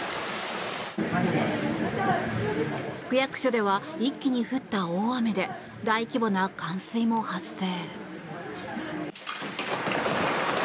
区役所では一気に降った大雨で大規模な冠水も発生。